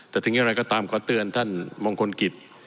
แต่ทีนี้เราก็ตามขอเตือนท่านมงคลกิจ